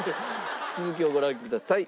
続きをご覧ください。